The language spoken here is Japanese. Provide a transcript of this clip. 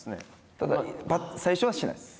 ただ最初はしないです。